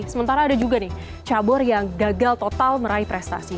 sementara ada juga nih cabur yang gagal total meraih prestasi